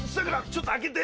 ちょっと開けて。